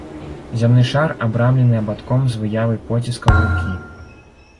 Зямны шар абрамлены абадком з выявай поціскаў рукі.